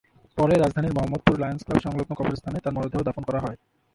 পরে রাজধানীর মোহাম্মদপুর লায়নস ক্লাব-সংলগ্ন কবরস্থানে তাঁর মরদেহ দাফন করা হয়।